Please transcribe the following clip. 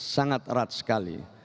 sangat erat sekali